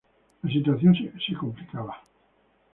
La situación se complicaba.